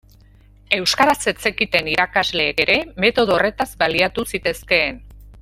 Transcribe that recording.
Euskaraz ez zekiten irakasleek ere metodo horretaz baliatu zitezkeen.